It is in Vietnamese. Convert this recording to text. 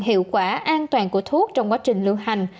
hiệu quả an toàn của thuốc trong quá trình lưu hành